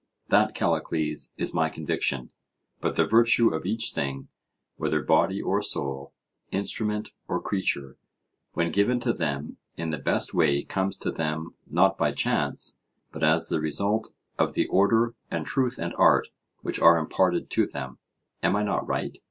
That, Callicles, is my conviction. But the virtue of each thing, whether body or soul, instrument or creature, when given to them in the best way comes to them not by chance but as the result of the order and truth and art which are imparted to them: Am I not right?